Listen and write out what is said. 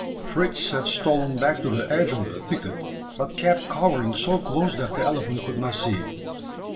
Fritz had stolen back to the edge of the thicket, but kept cowering so close that the elephant could not see him.